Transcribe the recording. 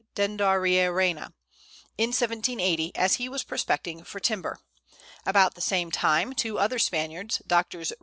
Dendariarena, in 1780, as he was prospecting for timber. About the same time two other Spaniards, Drs.